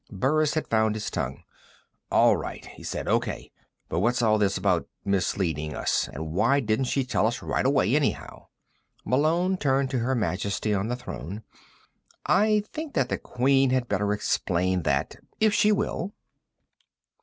Burris had found his tongue. "All right," he said. "O.K. But what's all this about misleading us and why didn't she tell us right away, anyhow?" Malone turned to Her Majesty on the throne. "I think that the Queen had better explain that if she will."